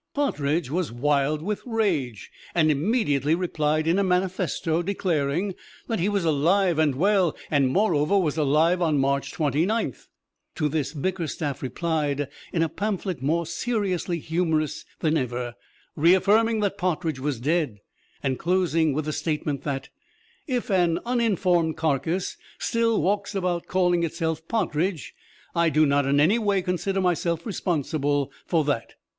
Partridge was wild with rage, and immediately replied in a manifesto declaring that he was alive and well, and moreover was alive on March Twenty ninth. To this "Bickerstaff" replied in a pamphlet more seriously humorous than ever, reaffirming that Partridge was dead, and closing with the statement that, "If an uninformed carcass still walks about calling itself Partridge, I do not in any way consider myself responsible for that."